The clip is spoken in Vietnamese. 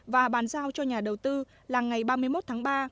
và bàn giao cho nhà đầu tư là ngày ba mươi một tháng ba